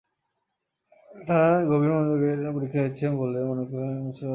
তারা গভীর মনোযোগে পরীক্ষা দিচ্ছে বলে মনে হলেও আসলে অনেকেই খাচ্ছে বাঁশ।